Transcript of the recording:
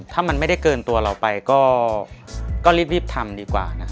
ถ้ามันไม่ได้เกินตัวเราไปก็รีบทำดีกว่า